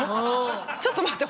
ちょっと待って。